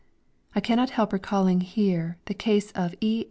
I cannot help recalling here the case of E.